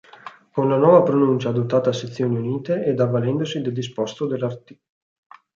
Con la nuova pronuncia adottata a Sezioni Unite ed avvalendosi del disposto dell’art.